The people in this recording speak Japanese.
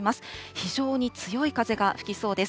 非常に強い風がふきそうです。